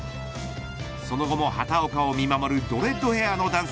その後も畑岡を見守るドレッドヘアの男性